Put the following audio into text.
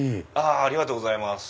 ありがとうございます。